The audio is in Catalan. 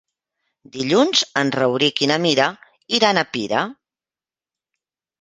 Dilluns en Rauric i na Mira iran a Pira.